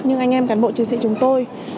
nhưng anh em cán bộ chiến sĩ chúng tôi